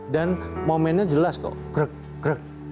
dan momennya jelas kok